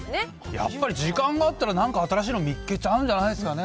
やっぱり時間があったらなんか新しいの見っけちゃうんじゃないですかね。